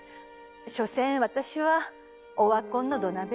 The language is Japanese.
しょせん私はオワコンの土鍋よ。